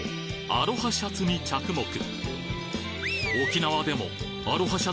アロハシャツに着目！